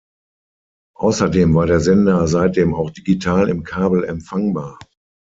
Außerdem war der Sender seitdem auch digital im Kabel empfangbar.